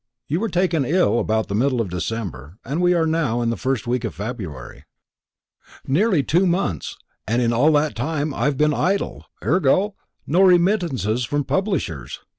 "You were taken ill about the middle of December, and we are now in the first week of February." "Nearly two months; and in all that time I have been idle ergo, no remittances from publishers.